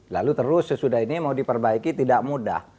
lalu terus sesudah ini mau diperbaiki tidak mudah